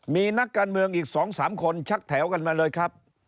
มีนักการเมืองอีก๒๓คนชักแถวกันมาเลยครับ